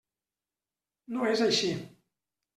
No és així.